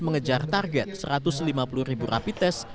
mengejar target satu ratus lima puluh ribu rapi tes